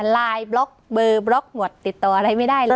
ไลน์บล็อกเบอร์บล็อกหมดติดต่ออะไรไม่ได้เลย